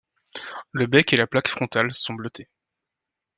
Le bec et la plaque frontale sont bleutés.